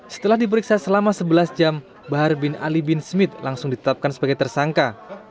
setelah diperiksa selama sebelas jam bahar bin ali bin smith langsung ditetapkan sebagai tersangka